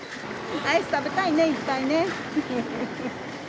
アイス食べたいね、いっぱいね。